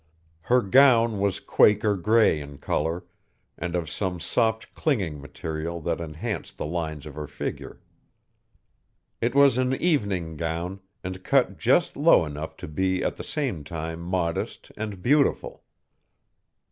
Her gown was Quaker gray in color, and of some soft clinging material that enhanced the lines of her figure. It was an evening gown, and cut just low enough to be at the same time modest and beautiful.